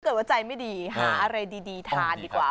ถ้าเกิดว่าใจไม่ดีหาอะไรดีทานดีกว่า